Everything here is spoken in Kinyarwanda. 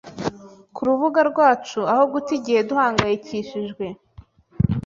kurubuga rwacu aho guta igihe duhangayikishijwe